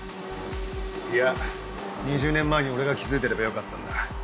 いや２０年前に俺が気付いてればよかったんだ。